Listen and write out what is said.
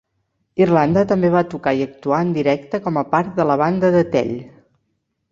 Irlanda també va tocar i actuar en directe com a part de la banda de Tell.